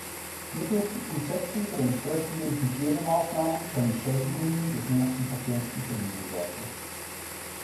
Nur durch die Umsetzung der entsprechenden Hygienemaßnahmen können Schädigungen des nächsten Patienten vermieden werden.